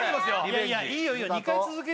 いやいやいいよいいよ